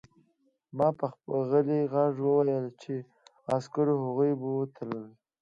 ما په غلي غږ وویل چې عسکرو هغوی بوتلل